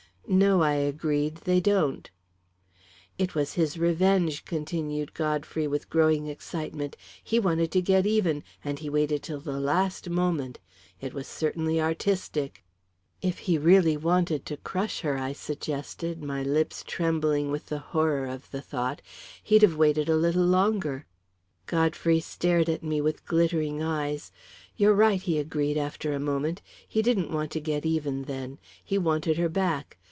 "No," I agreed, "they don't." "It was his revenge," continued Godfrey, with growing excitement. "He wanted to get even, and he waited till the last moment. It was certainly artistic." "If he really wanted to crush her," I suggested, my lips trembling with the horror of the thought, "he'd have waited a little longer." Godfrey stared at me with glittering eyes. "You're right," he agreed, after a moment. "He didn't want to get even, then; he wanted her back.